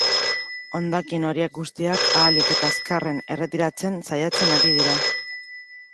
Hondakin horiek guztiak ahalik eta azkarren erretiratzen saiatzen ari dira.